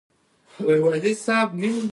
اوو د صمد مورې دا دروازه چا ټکوله!!